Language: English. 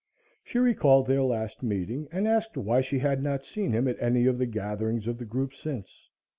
She recalled their last meeting and asked why she had not seen him at any of the gatherings of the group since.